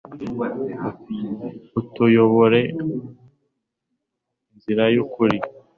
utuyobore inzira y'ukuri